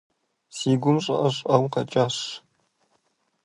Си гум щӀыӀэ-щӀыӀэу къэкӀащ.